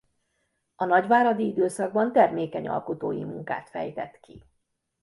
A nagyváradi időszakban termékeny alkotói munkát fejtett ki.